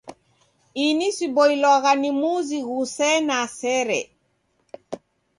Ini siboilwagha ni muzi ghusena sere.